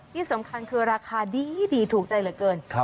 ที่สำคัญคือราคาดีถูกใจเหลือเกิน